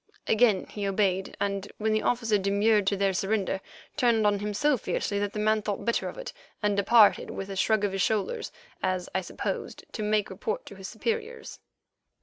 Again he obeyed, and, when the officer demurred to their surrender, turned on him so fiercely that the man thought better of it and departed with a shrug of his shoulders, as I supposed to make report to his superiors.